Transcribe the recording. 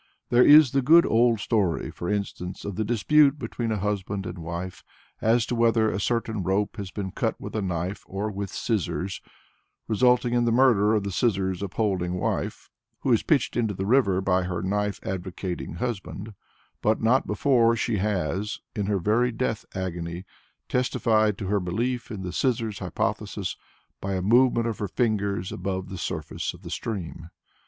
There is the good old story, for instance, of the dispute between a husband and wife as to whether a certain rope has been cut with a knife or with scissors, resulting in the murder of the scissors upholding wife, who is pitched into the river by her knife advocating husband; but not before she has, in her very death agony, testified to her belief in the scissors hypothesis by a movement of her fingers above the surface of the stream.